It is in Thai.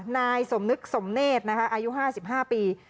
นายสมนึกสมเนษนะครับอายุ๕๕ปี